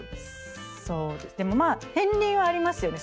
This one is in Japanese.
そうでもまあ片りんはありますよね。